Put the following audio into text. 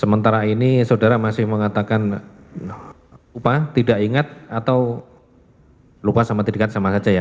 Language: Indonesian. sementara ini saudara masih mengatakan lupa tidak ingat atau lupa sama tidak sama saja ya